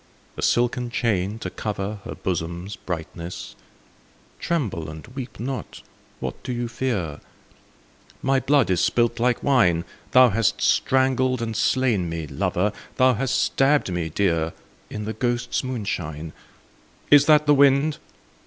A silken chain, to cover Her bosom's brightness ? (Tremble and weep not : what dost thou fear ?)— My blood is spUt like wine, Thou hast strangled and slain me, lover. Thou hast stabbed me dear. In the ghosts' moonshine. Is that the wind